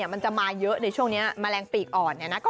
มันจะมาเยอะในช่วงนี้แมลงปีกอ่อน